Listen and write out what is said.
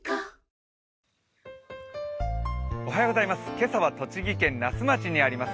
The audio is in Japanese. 今朝は栃木県那須町にあります